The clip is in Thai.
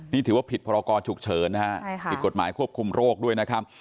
นี่ถือว่าผิดพรากรชุคเฉินใช่ค่ะมีกรดหมายควบคุมโลกด้วยนะครับ